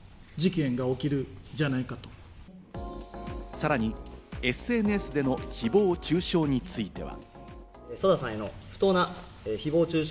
さらにＳＮＳでの誹謗中傷については。